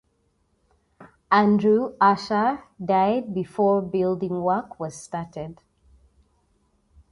Andrew Usher died before building work was started.